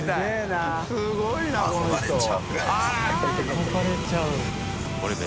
「憧れちゃう」